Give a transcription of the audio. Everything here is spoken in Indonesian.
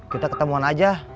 kita ketemuan aja